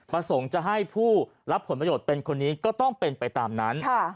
ประสงค์จะให้ผู้รับผลประโยชน์เป็นคนนี้ก็ต้องเป็นไปตามนั้น